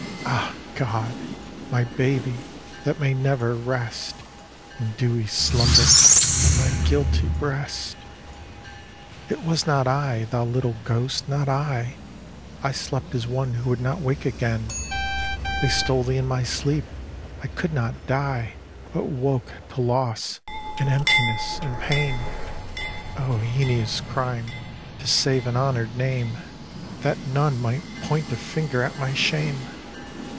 Ah, God, my baby, that may never rest In dewy slumber on my guilty breast !" It was not I, thou little ghost, not I ; I slept as one who would not wake again ; They stole thee in my sleep. I could not die, But woke to loss, and emptiness, and pain. Oh, heinous crime to save an honored name, That none might point a finger at my shame